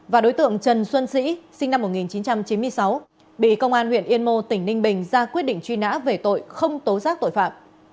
và đối tượng trần xuân sĩ sinh năm một nghìn chín trăm chín mươi sáu bị công an huyện yên mô tỉnh ninh bình ra quyết định truy nã về tội không tố giác tội phạm